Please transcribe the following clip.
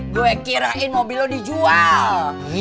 gua kirain mobil lu dijual